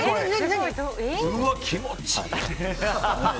うわ、気持ちいい。